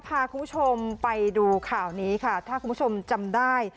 พาคุณผู้ชมไปดูข่าวนี้ค่ะถ้าคุณผู้ชมจำได้